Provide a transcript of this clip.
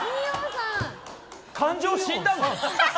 感情死んだの？